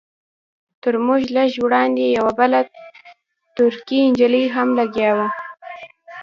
تر موږ لږ وړاندې یوه بله ترکۍ نجلۍ هم لګیا وه.